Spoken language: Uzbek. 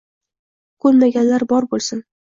Ko’nmaganlar bor bo’lsin.